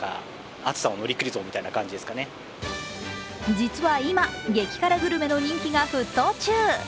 実は今、激辛グルメの人気が沸騰中。